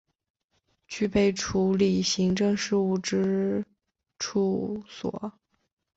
具备处理行政事务之处所